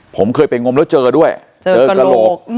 ผมเคยไปงมแล้วเจอด้วยเจอกระโหลก